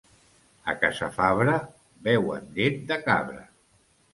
A Casafabre, beuen llet de cabra.